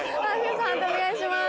判定お願いします。